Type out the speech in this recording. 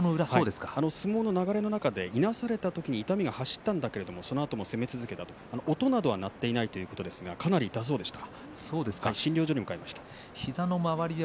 相撲の中でいなされた時に痛みが走ったんだけれどもそのあと攻め続けた、音は鳴っていないということですがかなり痛そうでした。